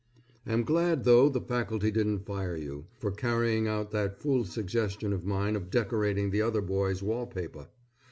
Am glad though the faculty didn't fire you, for carrying out that fool suggestion of mine of decorating the other boy's wall paper.